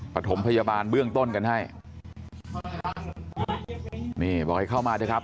ปฐมพยาบาลเบื้องต้นกันให้นี่บอกให้เข้ามาเถอะครับ